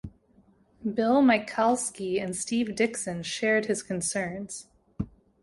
Bill Michalsky and Steve Dixon shared his concerns.